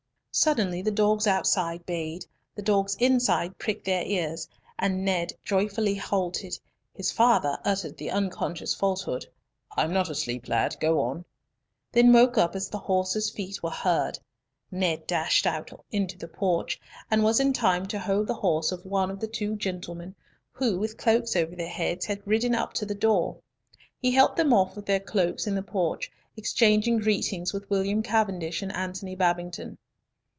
Suddenly the dogs outside bayed, the dogs inside pricked their ears, Ned joyfully halted, his father uttered the unconscious falsehood, "I'm not asleep, lad, go on," then woke up as horses' feet were heard; Ned dashed out into the porch, and was in time to hold the horse of one of the two gentlemen, who, with cloaks over their heads, had ridden up to the door. He helped them off with their cloaks in the porch, exchanging greetings with William Cavendish and Antony Babington.